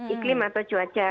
iklim atau cuaca